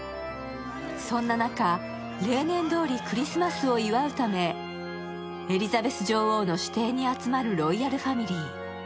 そんな中、例年どおりクリスマスを祝うためエリザベス女王の私邸に集まるロイヤルファミリー。